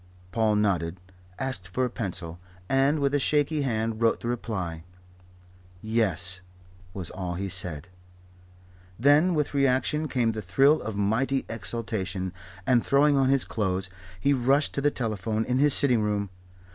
Paul nodded, asked for a pencil, and with a shaky hand wrote the reply. "Yes," was all he said. Then with reaction came the thrill of mighty exultation, and, throwing on his clothes, he rushed to the telephone in his sitting room.